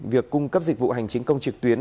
việc cung cấp dịch vụ hành chính công trực tuyến